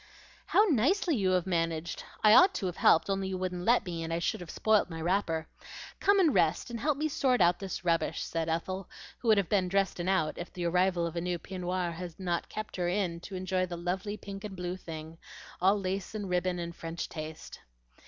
"How nicely you have managed! I ought to have helped, only you wouldn't let me and I should have spoilt my wrapper. Come and rest and help me sort out this rubbish," said Ethel, who would have been dressed and out if the arrival of a new peignoir had not kept her in to enjoy the lovely pink and blue thing, all lace and ribbon and French taste.